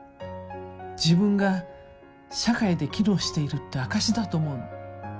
自分が社会で機能しているって証しだと思うの。